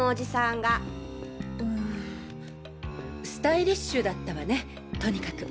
スタイリッシュだったわねとにかく。